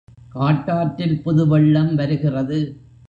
காட்டாற்றில் புதுவெள்ளம் வருகிறது.